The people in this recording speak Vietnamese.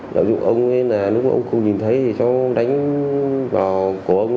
lúc ông ấy không nhìn thấy thì chú đánh vào cổ ông ấy